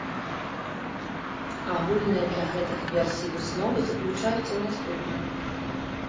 Агульныя для гэтых версій высновы заключаюцца ў наступным.